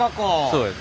そうです